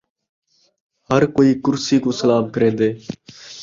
ہر کئی کرسی کوں سلام کرین٘دے